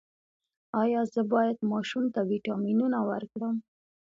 ایا زه باید ماشوم ته ویټامینونه ورکړم؟